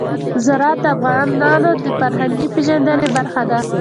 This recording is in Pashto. زراعت د افغانانو د فرهنګي پیژندنې برخه ده.